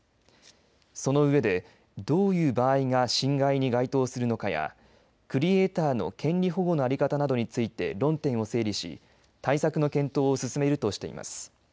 その上でどういう場合が侵害に該当するのかやクリエーターの権利保護の在り方などについて論点を整理し対策の検討を進めるとしています。